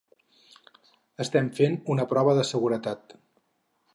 Estem fent una prova de seguretat.